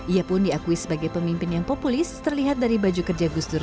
ia pun diakui sebagai pemimpin yang populis terlihat dari baju kerja gus dur